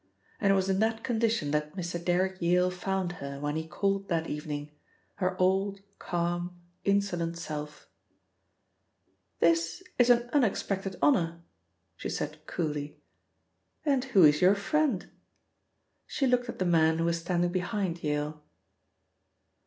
And it was in that condition that Mr. Derrick Yale found her when he called that evening her old calm, insolent self. "This is an unexpected honour," she said coolly, "and who is your friend?" She looked at the man who was standing behind Yale.